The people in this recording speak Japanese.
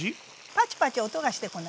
パチパチ音がしてこない？